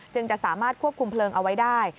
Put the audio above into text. จะสามารถควบคุมเพลิงเอาไว้ได้